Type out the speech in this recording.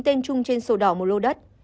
tên chung trên sổ đỏ một lô đất